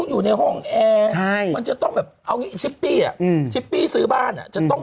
ดึกนี้แมวเล้าเลยพี่นิโน่